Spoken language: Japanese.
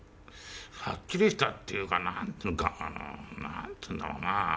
はっきりしたっていうかなんというかあのなんていうんだろうな。